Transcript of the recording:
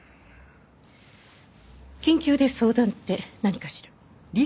緊急で相談って何かしら？